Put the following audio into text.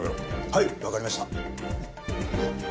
はいわかりました。